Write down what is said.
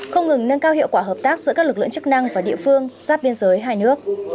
không ngừng nâng cao hiệu quả hợp tác giữa các lực lượng chức năng và địa phương giáp biên giới hai nước